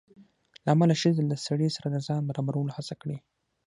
له امله ښځې له سړي سره د ځان د برابرولو هڅه کړې